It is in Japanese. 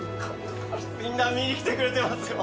みんな見に来てくれてますよ。